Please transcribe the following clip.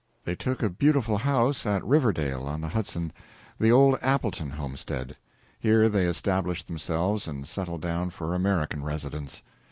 They took a beautiful house at Riverdale on the Hudson the old Appleton homestead. Here they established themselves and settled down for American residence.